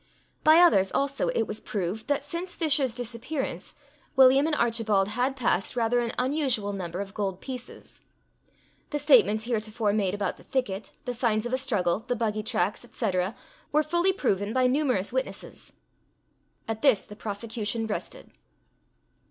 By others, also, it was proved, that since Fisher's disappearance, William and Archibald had passed rather an unusual number of gold pieces. The statements heretofore made about the thicket, the signs of a struggle, the buggy tracks, &c., were fully proven by numerous witnesses.At this the prosecution rested.